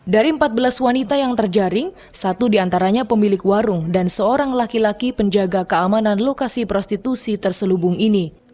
dari empat belas wanita yang terjaring satu diantaranya pemilik warung dan seorang laki laki penjaga keamanan lokasi prostitusi terselubung ini